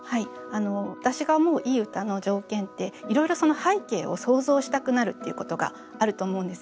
私が思ういい歌の条件っていろいろその背景を想像したくなるっていうことがあると思うんです。